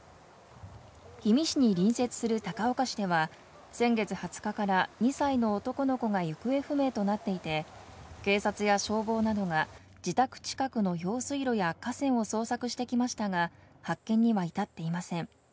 氷見市に隣接する高岡市では、先月２０日から、２歳の男の子が行方不明となっていて、警察や消防などが、自宅近くの用水路や河川を捜索してきましたが、発見には至っていません。